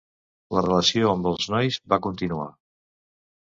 La relació amb els nois va continuar.